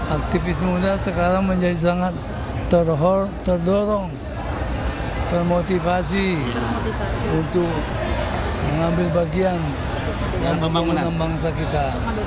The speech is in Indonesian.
aktivis muda sekarang menjadi sangat terdorong termotivasi untuk mengambil bagian dan membangunkan bangsa kita